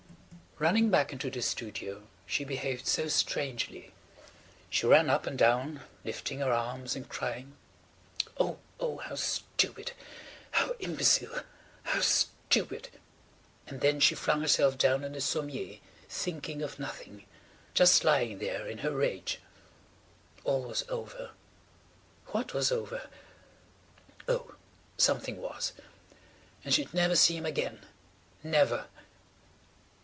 Running back into the studio she behaved so strangely. She ran up and down lifting her arms and crying: "Oh! Oh! How stupid! How imbecile! How stupid!" And then she flung herself down on the sommier thinking of nothing–just lying there in her rage. All was over. What was over? Oh–something was. And she'd never see him again–never.